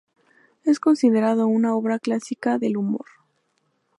Es considerado una obra clásica del humor.